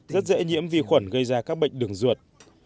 rất dễ nhiễm vi khuẩn gây ra các bệnh đường ruột